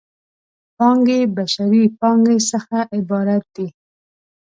پانګې بشري پانګې څخه عبارت دی.